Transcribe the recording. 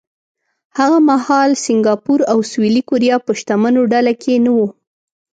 هغه مهال سینګاپور او سویلي کوریا په شتمنو ډله کې نه وو.